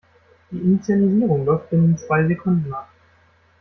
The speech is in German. Die Initialisierung läuft binnen zwei Sekunden ab.